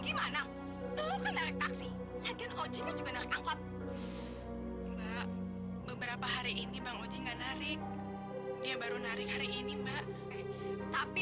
alhamdulillah setoran hari ini udah lebih dari cukup